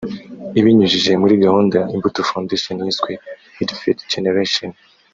ibinyujije muri gahunda ya Imbuto Foundation yiswe ‘Edified Generation’